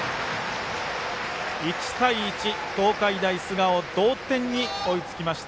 １対１、東海大菅生が同点に追いつきました。